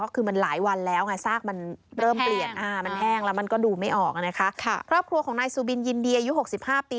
ครอบครัวของนายสุบินยินเดียยุค๖๕ปี